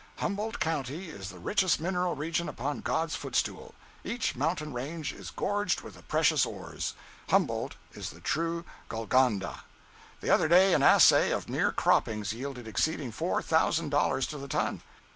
Humboldt county is the richest mineral region upon God's footstool. Each mountain range is gorged with the precious ores. Humboldt is the true Golconda. The other day an assay of mere croppings yielded exceeding four thousand dollars to the ton.